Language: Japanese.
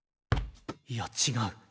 いや違う。